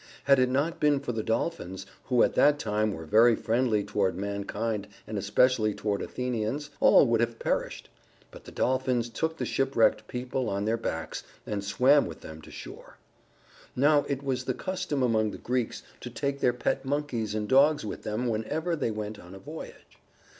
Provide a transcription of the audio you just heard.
Had it not been for the Dolphins, who at that time were very friendly toward mankind and especially toward Athenians, all would have perished. But the Dolphins took the shipwrecked people on their backs and swam with them to shore. Now it was the custom among the Greeks to take their pet monkeys and dogs with them whenever they went on a voyage.